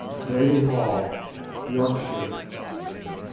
Brayley Hall, Yorkshire.